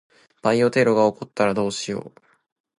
バイオテロが起こったらどうしよう。